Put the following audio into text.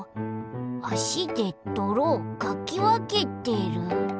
あしでどろをかきわけてる？